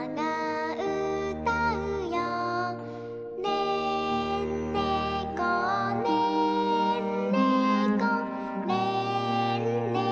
「ねんねこねんねこねんねこよ」